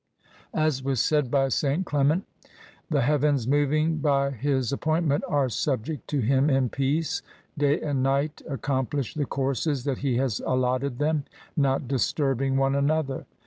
As was said by St. Clement, * The heavens moving by His appointment are subject to Him in peace. Day and night accomplish the courses that He has allotted them, not disturbing one another.'